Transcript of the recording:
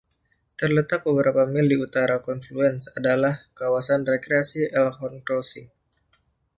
Terletak beberapa mil di utara konfluens adalah Kawasan Rekreasi Elkhorn Crossing.